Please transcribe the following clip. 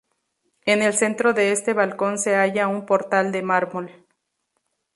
En el centro de este balcón se halla un portal de mármol.